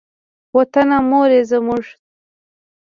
وطنه مور یې زموږ.